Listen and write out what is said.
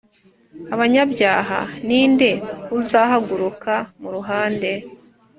Abanyabyaha ni nde uzahaguruka mu ruhande